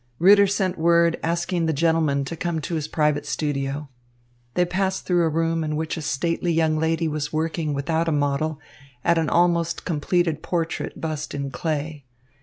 Ritter sent word asking the gentlemen to come to his private studio. They passed through a room in which a stately young lady was working without a model at an almost completed portrait bust in clay.